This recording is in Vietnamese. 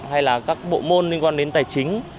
hay là các bộ môn liên quan đến tài chính